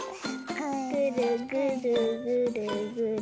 ぐるぐるぐるぐる。